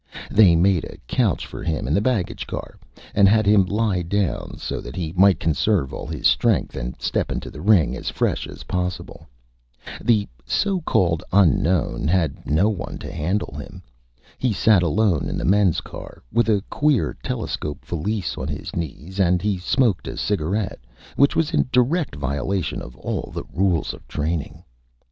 They made a Couch for him in the Baggage Car, and had him lie down, so that he might conserve all his Strength and step into the Ring as fresh as possible. The so called Unknown had no one to Handle him. He sat Alone in the Men's Car, with a queer Telescope Valise on his Knees, and he smoked a Cigarette, which was in direct Violation of all the Rules of Training.